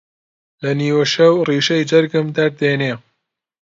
لە نیوە شەو ڕیشەی جەرگم دەردێنێ